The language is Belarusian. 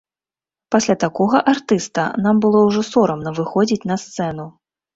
Пасля такога артыста нам было ўжо сорамна выходзіць на сцэну.